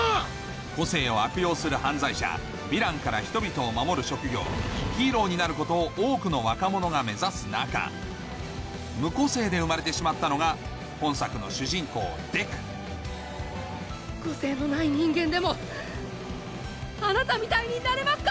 個性を悪用する犯罪者ヴィランから人々を守る職業ヒーローになることを多くの若者が目指す中無個性で生まれてしまったのが本作の主人公デク個性のない人間でもあなたみたいになれますか？